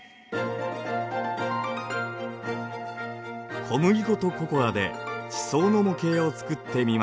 小麦粉とココアで地層の模型をつくってみました。